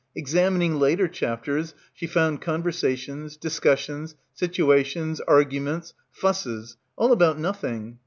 Examining later chapters she found conversa tions, discussions, situations, arguments, "fusses" — all about nothing.